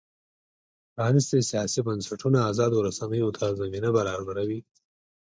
پرانیستي سیاسي بنسټونه ازادو رسنیو ته زمینه برابروي.